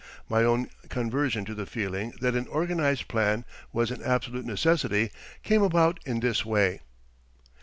My own conversion to the feeling that an organized plan was an absolute necessity came about in this way.